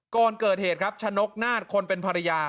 ก่อนเกิดเหตุครับชะนกนาฏคนเป็นภรรยา